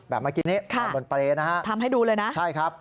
แบบเมื่อกี้นี่นอนบนเปรตนะครับใช่ครับทำให้ดูเลยนะ